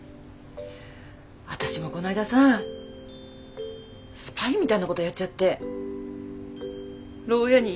私もこないださスパイみたいなことやっちゃってろう屋に入れられてたのよ。